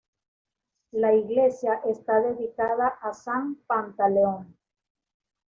La iglesia está dedicada a san Pantaleón.